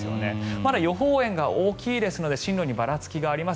まだ予報円が大きいですので進路にばらつきがあります。